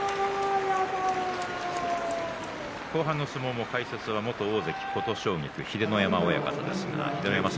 後半の相撲も解説は元大関琴奨菊の秀ノ山親方です。